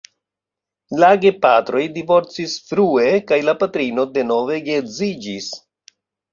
La gepatroj divorcis frue kaj la patrino denove geedziĝis.